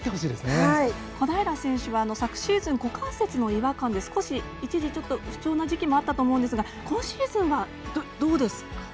小平選手は昨シーズン股関節の違和感で一時、不調な時期もあったと思うんですが今シーズンはどうですか？